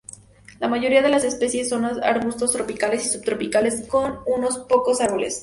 La mayoría de las especies son arbustos tropicales y subtropicales con unos pocos árboles.